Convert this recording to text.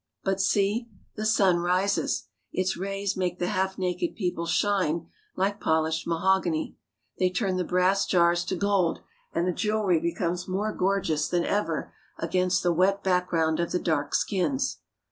But see, the sun rises ! Its rays make the half naked people shine like polished mahogany. They turn the brass jars to gold, and the jewelry becomes more gorgeous than ever against the wet background of the dark skins.